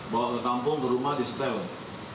bawa ke kampung ke rumah di setel